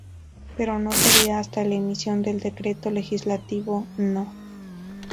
Pero no sería hasta la emisión del Decreto Legislativo No.